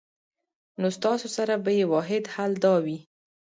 نو ستاسو سره به ئې واحد حل دا وي